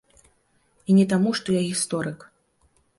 І не таму, што я гісторык.